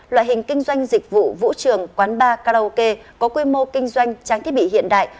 loại hình kinh doanh dịch vụ vũ trường quán bar karaoke có quy mô kinh doanh trang thiết bị hiện đại